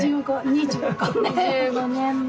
２５年も。